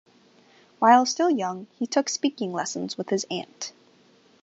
While still young, he took speaking lessons with his aunt.